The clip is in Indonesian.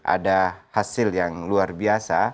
ada hasil yang luar biasa